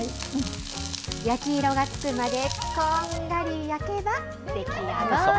焼き色がつくまで、こんがり焼けば出来上がり。